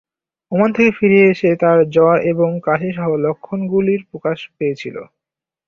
Oman থেকে ফিরে এসে তার জ্বর এবং কাশি সহ লক্ষণগুলির প্রকাশ পেয়েছিল।